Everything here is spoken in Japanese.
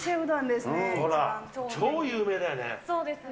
ほら、超有名だよね。